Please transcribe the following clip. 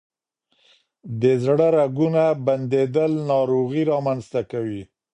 د زړه رګونه بندیدل ناروغۍ رامنځ ته کوي.